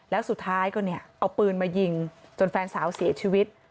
แล้วสุดท้ายก็เนี่ยเอาปืนมายิงจนแฟนสาวเสียชีวิต